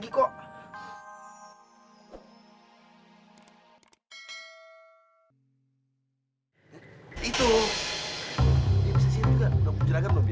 kita belum ada juragan ya